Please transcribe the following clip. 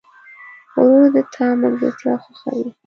ورور د تا ملګرتیا خوښوي.